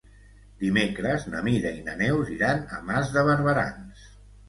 Dimecres na Mira i na Neus iran a Mas de Barberans.